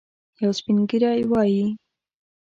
یو سپین ږیری وايي.